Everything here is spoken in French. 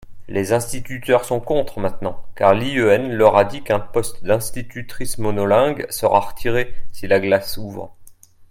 les instituteurs sont contre maintenant car l'IEN leur a dit qu'un poste d'institutrice monolingue sera retiré si la classe ouvre.